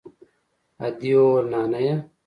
ادې وويل نانيه.